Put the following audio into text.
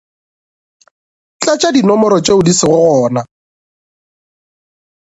Tlatša dinomoro tšeo di sego gona.